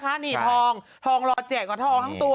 ข่าวใส่ไข่แจกทอง